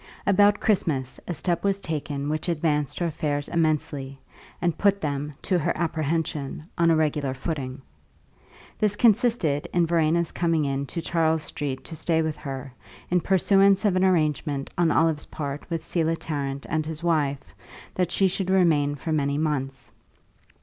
About Christmas a step was taken which advanced her affairs immensely, and put them, to her apprehension, on a regular footing. This consisted in Verena's coming in to Charles Street to stay with her, in pursuance of an arrangement on Olive's part with Selah Tarrant and his wife that she should remain for many months.